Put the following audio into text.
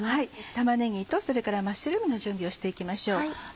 玉ねぎとそれからマッシュルームの準備をしていきましょう。